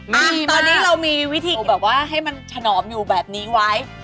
มันตอนนี้เรามีวิธีแบบว่าให้มันถนอมอยู่แบบนี้ไว้